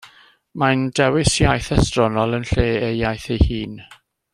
Mae'n dewis iaith estronol yn lle ei iaith ei hun.